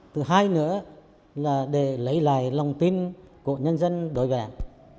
thứ hai nữa là để lấy lại lòng tin của nhân dân đối với đảng